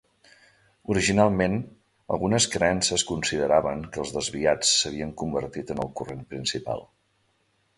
Originalment algunes creences consideraven que els desviats s'havien convertit en el corrent principal.